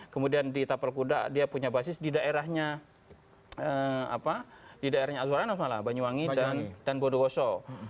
kemudian di tapal kuda dia punya basis di daerahnya azorana malah banyuwangi dan bodowoso